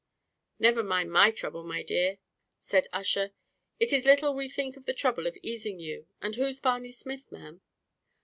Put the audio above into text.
"Never mind my trouble, my dear," said Ussher; "it is little we think of the trouble of easing you; and who's Barney Smith, ma'am?"